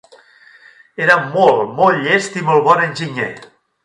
Era molt, molt llest i molt bon enginyer.